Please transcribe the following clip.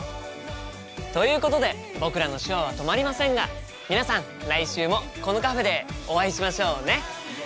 ということで僕らの手話は止まりませんが皆さん来週もこのカフェでお会いしましょうね。